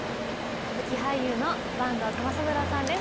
歌舞伎俳優の坂東玉三郎さんです。